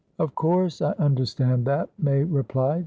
"Of course I understand that," May replied.